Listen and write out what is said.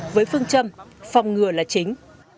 với phương châm phòng ngừa là chính